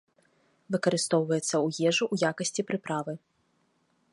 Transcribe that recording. Выкарыстоўваецца ў ежу ў якасці прыправы.